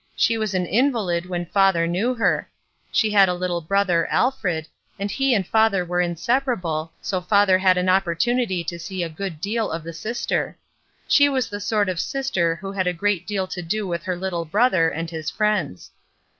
She was an invalid when father knew her. She had a Uttle brother, Alfred, and he and father were inseparable, so it it 6 ESTER RIED'S NAMESAKE father had opportunity to see a good deal of the ^ter. She was the sort of sister who had a great deal to do with her little brother and his friends.